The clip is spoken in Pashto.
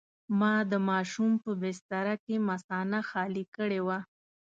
ما د ماشوم په بستره کې مثانه خالي کړې وه.